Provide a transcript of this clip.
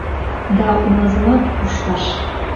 Да улазымат пушташ;